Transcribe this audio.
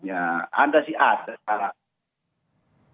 ada sih ada sekarang